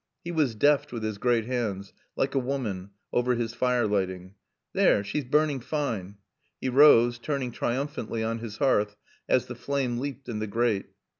He was deft with his great hands, like a woman, over his fire lighting. "There she's burning fine." He rose, turning triumphantly on his hearth as the flame leaped in the grate.